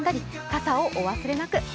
傘をお忘れなく。